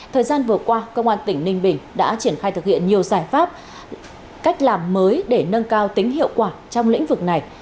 thời gian vừa qua công an tỉnh ninh bình đã triển khai thực hiện nhiều giải pháp cách làm mới để nâng cao tính hiệu quả trong lĩnh vực này